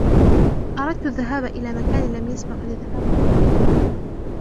أردت الذهاب إلى مكان لم يسبق لي الذهاب إليه.